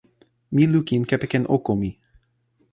mi lukin kepeken oko mi.